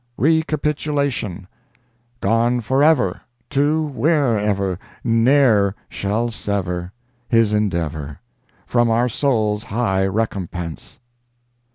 ( RECAPITULATION. ) Gone forever! To wherever! Ne'er shall sever! His endeavor! From our soul's high recompense!